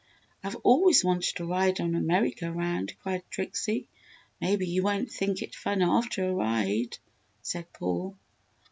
I've always wanted to ride on a merry go round!" cried Trixie. "Maybe you won't think it fun after a ride!" said Paul.